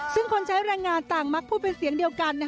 ซึ่งคนใช้แรงงานต่างมักพูดเป็นเสียงเดียวกัน